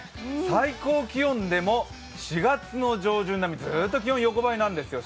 最高気温でも４月上旬並み、ずっと気温横ばいなんですよ。